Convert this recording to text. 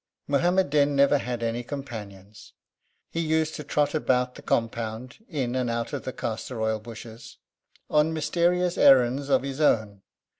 Muhammad Din never had any companions. He used to trot about the compound, in and out of the castor oil bushes, on mysterious errands of his own.